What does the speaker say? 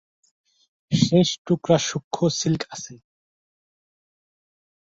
শেষ টুকরা সূক্ষ্ম সিল্ক আছে।